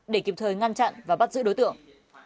để kịp thời ngăn chặn và bắt giữ đối tượng